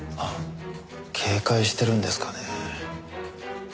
警戒してるんですかね。